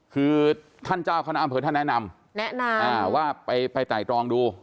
คือท่านเจ้าคณะอำเภอท่านแนะนำแนะนำว่าไปไต่ตรองดู